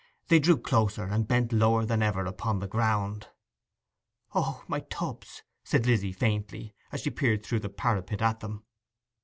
They drew closer, and bent lower than ever upon the ground. 'O, my tubs!' said Lizzy faintly, as she peered through the parapet at them.